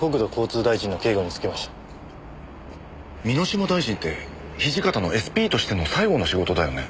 箕島大臣って土方のＳＰとしての最後の仕事だよね？